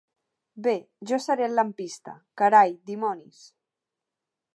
Bé, jo seré el lampista, carai, dimonis.